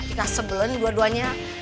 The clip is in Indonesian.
jika sebelen dua duanya